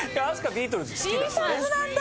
ビートルズなんだ！